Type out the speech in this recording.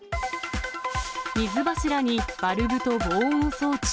水柱にバルブと防音装置。